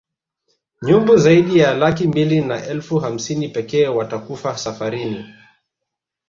Nyumbu zaidi ya laki mbili na elfu hamsini pekee watakufa safarini